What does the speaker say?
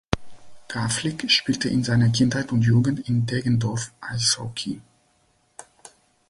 Gawlik spielte in seiner Kindheit und Jugend in Deggendorf Eishockey.